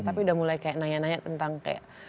tapi udah mulai kayak nanya nanya tentang kayak